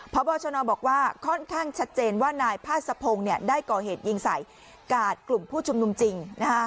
พบชนบอกว่าค่อนข้างชัดเจนว่านายพาสะพงศ์ได้ก่อเหตุยิงใส่กาดกลุ่มผู้ชุมนุมจริง